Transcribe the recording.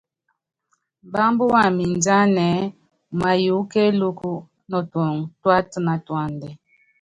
Mbábá wamɛ mindiána ɛ́ɛ́ umayuúkɔ́ kélúku nɔtuɔŋɔ tuátanatúádɛ.